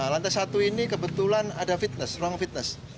lantai satu ini kebetulan ada fitness ruang fitness